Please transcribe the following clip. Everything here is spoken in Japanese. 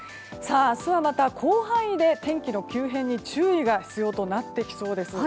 明日はまた広範囲で天気の急変に注意が必要となってきそうです。